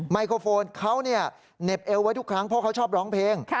ไมโครโฟนเขาเหน็บเอวไว้ทุกครั้งเพราะเขาชอบร้องเพลง